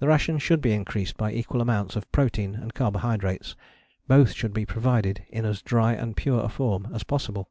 The ration should be increased by equal amounts of protein and carbohydrates; both should be provided in as dry and pure a form as possible.